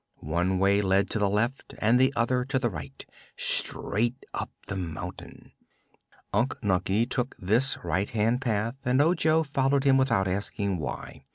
One way led to the left and the other to the right straight up the mountain. Unc Nunkie took this right hand path and Ojo followed without asking why.